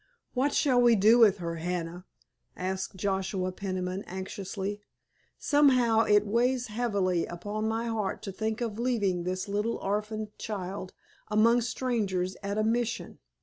"What shall we do with her, Hannah?" asked Joshua Peniman anxiously. "Somehow it weighs heavily upon my heart to think of leaving this little orphaned child among strangers at a Mission.